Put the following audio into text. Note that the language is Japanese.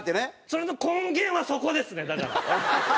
それの根源はそこですねだから。